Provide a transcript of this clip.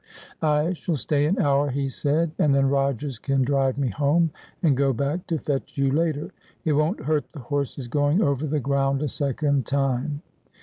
' I shall stay an hour,' he said, ' and then Rodgers can drive me home, and go back to fetch you later. It won't hurt the horses going over the ground a second time.'